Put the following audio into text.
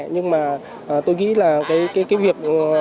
nhưng mà tôi nghĩ là cái việc